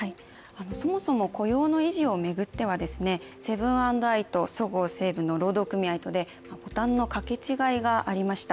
そもそも雇用の維持を巡ってはセブン＆アイとそごう・西武の労働組合とで、掛け違いがありました。